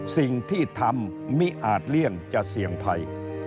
สิ่งที่ทำมิอาจเลี่ยงจะเสี่ยงภัย